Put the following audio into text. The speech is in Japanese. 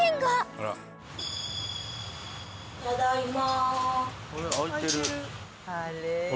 ただいま。